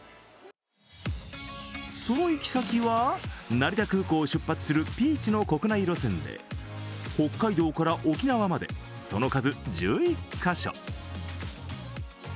その行き先は、成田空港を出発するピーチの国内路線で北海道から沖縄まで、その数１１カ所。